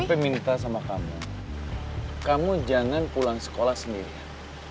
tapi minta sama kamu kamu jangan pulang sekolah sendirian